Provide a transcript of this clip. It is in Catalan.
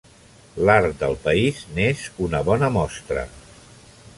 L’art del país n’és una bona mostra.